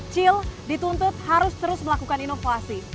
cil dituntut harus terus melakukan inovasi